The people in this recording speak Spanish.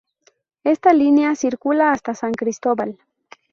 Esta línea circula hasta San Cristóbal